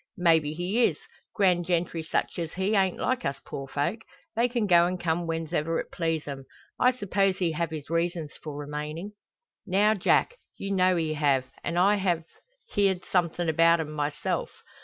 "Maybe he is. Grand gentry such as he ain't like us poor folk. They can go and come whens'ever it please 'em. I suppose he have his reasons for remaining." "Now, Jack, you know he have, an' I've heerd something about 'em myself."